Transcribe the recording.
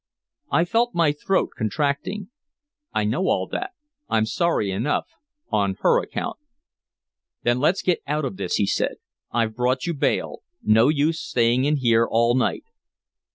I felt my throat contracting: "I know all that. I'm sorry enough on her account " "Then let's get out of this," he said. "I've brought you bail. No use staying in here all night."